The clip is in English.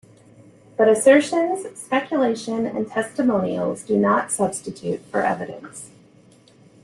But assertions, speculation, and testimonials do not substitute for evidence.